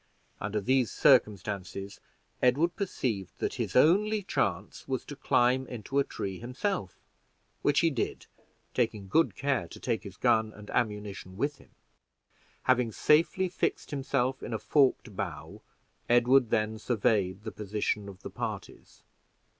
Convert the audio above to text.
Under these circumstances, Edward perceived that his only chance was to climb into a tree himself, which he did, taking good care to take his gun and ammunition with him. Having safely fixed himself in a forked bough, Edward then surveyed the position of the parties.